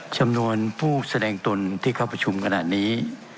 จำนวนผู้แสดงตนที่เข้าประชุมขนาดนี้